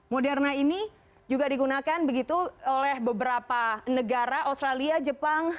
moderna ini juga digunakan begitu oleh beberapa negara australia jepang